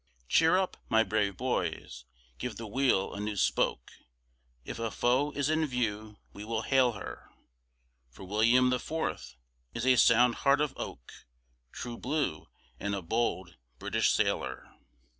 Cheer up, my brave boys, give the wheel a new spoke, If a foe is in view we will hail her, For William the Fourth is a sound heart of oak, True Blue, and a bold British Sailor.